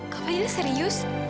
kak fadil serius